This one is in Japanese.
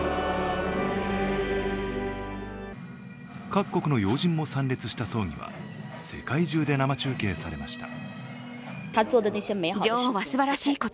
各国の要人も参列した葬儀は世界中で生中継されました。